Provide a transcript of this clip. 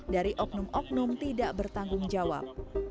dari oknum oknum tidak bertanggung jawab